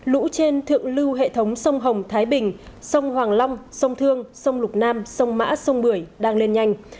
lũ trên thượng lưu hệ thống sông hồng thái bình sông hoàng long sông thương sông lục nam sông mã sông bưởi đang lên nhanh